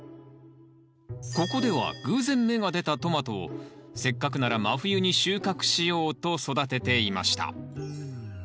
ここでは偶然芽が出たトマトをせっかくなら真冬に収穫しようと育てていました。